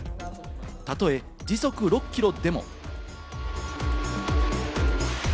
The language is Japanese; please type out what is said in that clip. たとえ時速６キロでも。